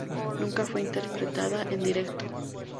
Nunca fue interpretada en directo.